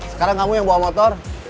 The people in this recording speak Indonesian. sekarang kamu yang bawa motor